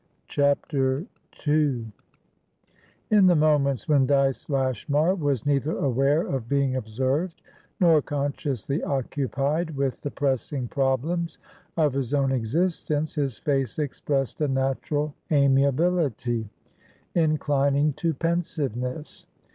CHAPTER II In the moments when Dyce Lashmar was neither aware of being observed nor consciously occupied with the pressing problems of his own existence, his face expressed a natural amiability, inclining to pensiveness.